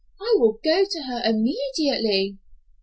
I will go to her immediately."